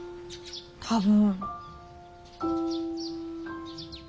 多分。